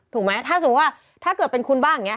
ถูกไหมถ้าสมมุติว่าถ้าเกิดเป็นคุณบ้างอย่างนี้